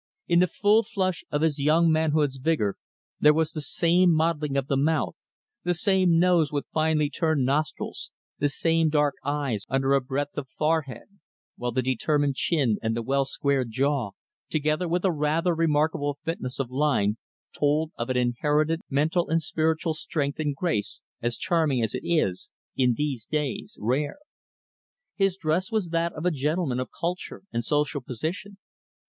In the full flush of his young manhood's vigor, there was the same modeling of the mouth, the same nose with finely turned nostrils, the same dark eyes under a breadth of forehead; while the determined chin and the well squared jaw, together with a rather remarkable fineness of line, told of an inherited mental and spiritual strength and grace as charming as it is, in these days, rare. His dress was that of a gentleman of culture and social position.